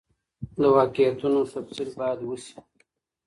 د مهمو واقعیتونو تفصیل باید وسي.